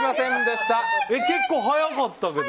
結構速かったけど。